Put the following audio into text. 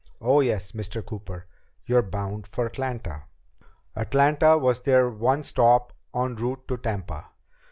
"Oh, yes, Mr. Cooper. You're bound for Atlanta." Atlanta was their one stop en route to Tampa.